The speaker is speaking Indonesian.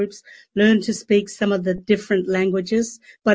belajar untuk berbicara dalam beberapa bahasa yang berbeda